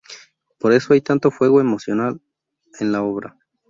Por eso hay tanto fuego emocional en la obra.